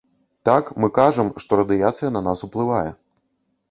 Так, мы кажам, што радыяцыя на нас уплывае.